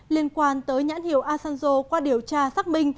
liên quan tới nhãn hiệu asanjo qua điều trị